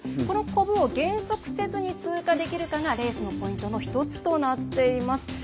このコブを減速せずに通過できるかがレースのポイントの１つとなっています。